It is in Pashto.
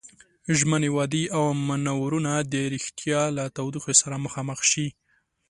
ژمنې، وعدې او مانورونه د ريښتيا له تودوخې سره مخامخ شي.